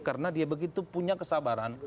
karena dia begitu punya kesabaran